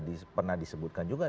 di pernah disebutkan juga